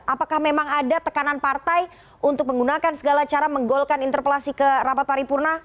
apakah memang ada tekanan partai untuk menggunakan segala cara menggolkan interpelasi ke rapat paripurna